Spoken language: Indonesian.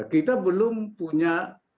kita belum punya